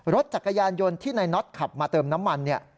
รถจักรยานยนต์ที่นายน็อตขับมาเติมน้ำมันเนี่ย